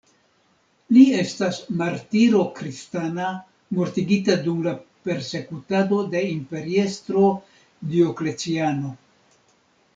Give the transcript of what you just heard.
Li estas martiro kristana, mortigita dum la persekutado de imperiestro Diokleciano.